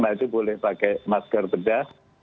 nah itu boleh pakai masker bedah